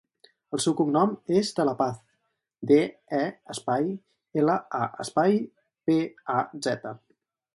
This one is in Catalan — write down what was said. El seu cognom és De La Paz: de, e, espai, ela, a, espai, pe, a, zeta.